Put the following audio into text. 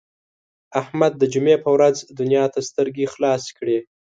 احمد د جمعې په ورځ دنیا ته سترګې خلاصې کړې.